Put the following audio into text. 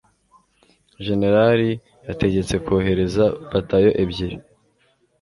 jenerali yategetse kohereza batayo ebyiri